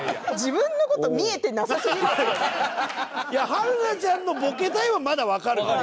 いや春菜ちゃんのボケたいはまだわかるの。